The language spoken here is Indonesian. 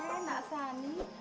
eh nak sani